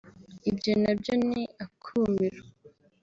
Ibyo nabyo ni akumiro